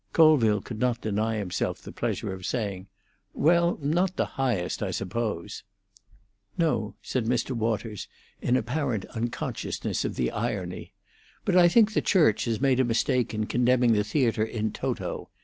Colville could not deny himself the pleasure of saying, "Well, not the highest, I suppose." "No," said Mr. Waters, in apparent unconsciousness of the irony. "But I think the Church has made a mistake in condemning the theatre in toto.